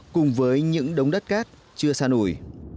cùng với những đống đất cát chưa xa nổi